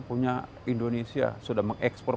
punya indonesia sudah mengekspor